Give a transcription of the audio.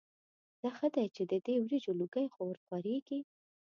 ځه ښه دی چې د دې وریجو لوګي خو ورخوريږي.